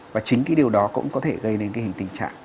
và chính cái điều đó cũng có thể gây đến cái hình tình trạng